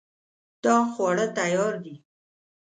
دا خواړه تیار دي